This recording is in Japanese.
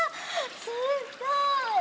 すっごい。